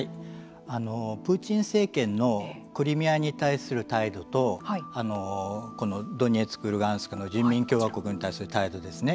プーチン政権のクリミアに対する態度とドニエツク、ルガンスク人民共和国に対する態度ですね